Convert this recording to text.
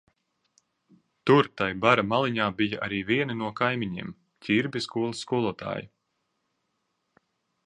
Tur tai bara maliņā bija arī vieni no kaimiņiem – Ķirbja skolas skolotāja.